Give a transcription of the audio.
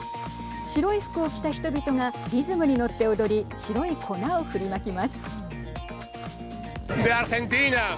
白い服を着た人々がリズムに乗って踊り白い粉を振りまきます。